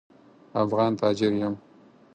افغان تاجر یم.